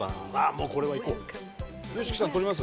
もうこれはいこうＹＯＳＨＩＫＩさん取ります？